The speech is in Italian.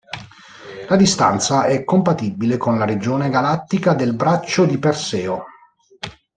La distanza è compatibile con la regione galattica del Braccio di Perseo.